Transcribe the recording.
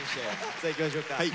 さあいきましょうか。